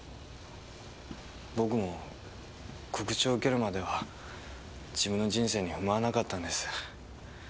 僕も告知を受けるまでは自分の人生に不満はなかったんです。